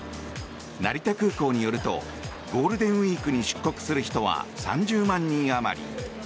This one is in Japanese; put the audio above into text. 成田空港によるとゴールデンウィークに出国する人は３０万人あまり。